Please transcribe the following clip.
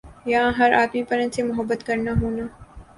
یَہاں ہَر آدمی پرند سے محبت کرنا ہونا ۔